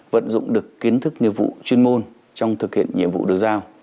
vận dụng được kiến thức nghiệp vụ chuyên môn trong thực hiện nhiệm vụ được giao